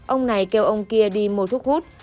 ông này kêu ông kia đi mua thuốc hút